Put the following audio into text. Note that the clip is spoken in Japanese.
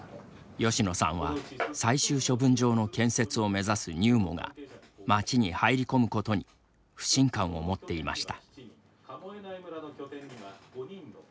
吉野さんは、最終処分場の建設を目指すＮＵＭＯが町に入り込むことに不信感を持っていました。